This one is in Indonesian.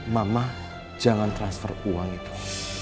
mama jangan transfer uang itu